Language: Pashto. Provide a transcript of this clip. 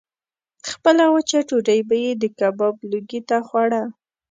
خپله وچه ډوډۍ به یې د کباب لوګي ته خوړه.